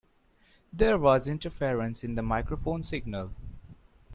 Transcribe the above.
There was interference in the microphone signal.